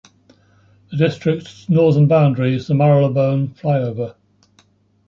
The district's northern boundary is the Marylebone flyover.